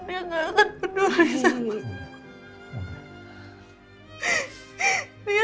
nino gak akan peduli sama aku